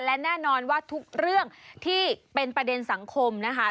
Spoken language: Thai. และแน่นอนว่าทุกเรื่องที่เป็นประเด็นสังคมนะคะ